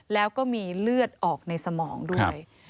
แล้วก็มีเลือดออกในสมองด้วย